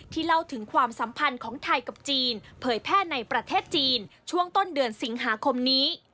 เล่าถึงความสัมพันธ์ของไทยกับจีนเผยแพร่ในประเทศจีนช่วงต้นเดือนสิงหาคมนี้